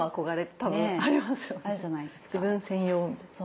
自分専用みたいな。